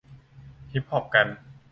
ฮิปฮอปกัน